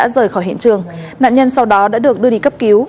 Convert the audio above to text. rời khỏi hiện trường nạn nhân sau đó đã được đưa đi cấp cứu